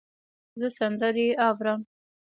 زه سندرې اورم.